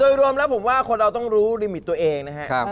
โดยรวมแล้วผมว่าคนเราต้องรู้ลิมิตตัวเองนะครับ